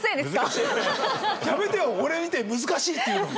やめてよ俺見て「難しい」って言うの。